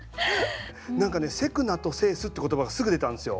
何かね「急くな」と「制す」って言葉がすぐ出たんですよ。